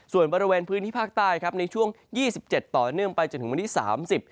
ส่วนบริเวณพื้นที่ภาคใต้ในช่วง๒๗ต่อเนื่องไปจนถึงวันที่๓๐